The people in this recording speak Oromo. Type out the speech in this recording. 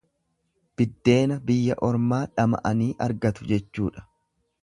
Biddeena biyya ormaa dhama'anii argatu jechuudha.